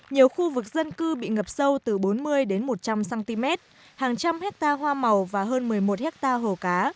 nhiều khu vực dân cư bị ngập sâu từ bốn mươi đến một trăm linh cm hàng trăm hectare hoa màu và hơn một mươi một hectare hồ cá